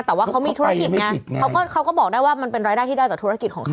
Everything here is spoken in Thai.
แต่ว่าเขามีธุรกิจไงเขาก็เขาก็บอกได้ว่ามันเป็นรายได้ที่ได้จากธุรกิจของเขา